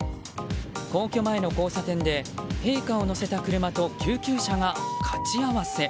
皇居前の交差点で陛下を乗せた車と救急車がかち合わせ。